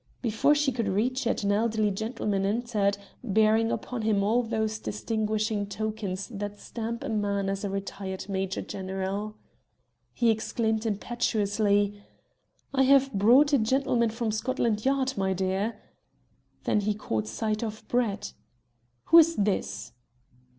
Before she could reach it an elderly gentleman entered, bearing upon him all those distinguishing tokens that stamp a man as a retired major general. He exclaimed impetuously "I have brought a gentleman from Scotland Yard, my dear." Then he caught sight of Brett. "Who is this?"